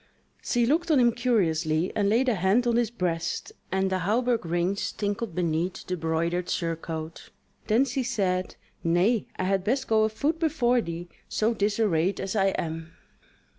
She looked on him curiously, and laid a hand on his breast, and the hauberk rings tinkled beneath the broidered surcoat; then she said: "Nay, I had best go afoot before thee, so disarrayed as I am."